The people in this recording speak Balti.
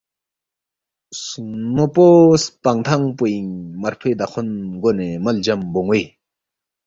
سنوپو سپنگ تھنگ پوئینگ مرفوئے داخون گونے ملجم بونوئے،